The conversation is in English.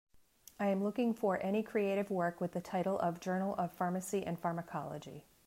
I am looking for any creative work with the title of Journal of Pharmacy and Pharmacology